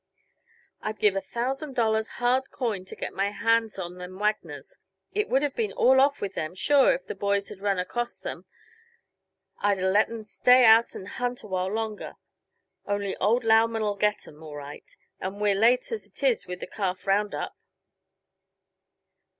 "I'd give a thousand dollars, hard coin, to get my hands on them Wagners. It would uh been all off with them, sure, if the boys had run acrost 'em. I'd uh let 'em stay out and hunt a while longer, only old Lauman'll get 'em, all right, and we're late as it is with the calf roundup.